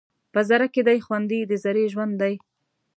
په ذره کې دې خوندي د ذرې ژوند دی